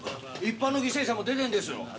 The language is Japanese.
一般の犠牲者も出てるんですよ！